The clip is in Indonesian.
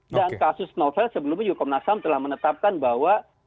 dan kasus novel sebelumnya juga komnas ham telah menetapkan bahwa